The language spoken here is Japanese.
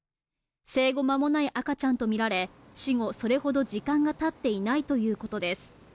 生後間もない赤ちゃんとみられ、死後それほど時間がたっていないということです。